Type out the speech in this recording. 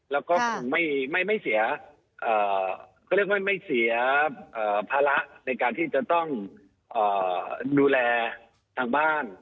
และก็ไม่เสียภาระในการที่จะต้องนูแลทางบ้าน